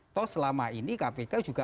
toh selama ini kpk juga